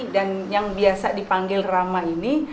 dan yang biasa dipanggil rama ini